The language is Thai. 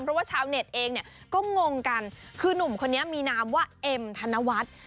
เพราะว่าชาวเน็ตเองเนี่ยก็งงกันคือนุ่มคนนี้มีนามว่าเอ็มธนวัฒน์